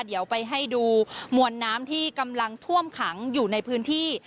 เดี๋ยวไปให้ดูมวลน้ำที่กำลังท่วมขังอยู่ในพื้นที่